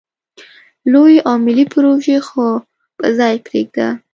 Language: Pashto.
لویې او ملې پروژې خو په ځای پرېږده.